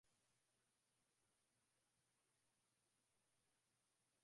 yaani watawala wenyeji waliowekwa na wakoloni